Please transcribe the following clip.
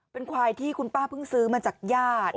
เป็นควายที่คุณป้าเพิ่งซื้อมาจากญาติ